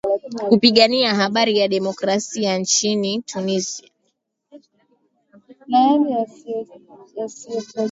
kupigania hari ya demokrasia nchini tunisia